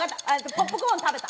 ポップコーン食べた！